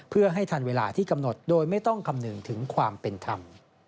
เพื่อให้ทันเวลาที่กำหนดโดยไม่ต้องคำนึงถึงความเป็นธรรม